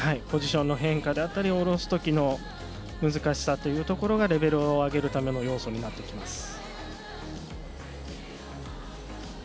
ポジションの変化や降ろすときの難しさがレベルを上げるための要素になってきます。